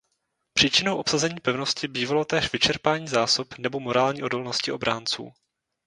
Příčinou obsazení pevnosti bývalo též vyčerpání zásob nebo morální odolnosti obránců.